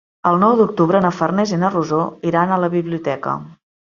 El nou d'octubre na Farners i na Rosó iran a la biblioteca.